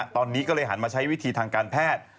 ตอนนี้ก็เลยหันมาใช้วิธีทางการแพทย์